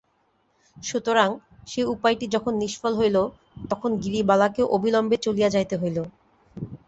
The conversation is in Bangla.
সুতরাং সে উপায়টি যখন নিষ্ফল হইল তখন গিরিবালাকে অবিলম্বে চলিয়া যাইতে হইল।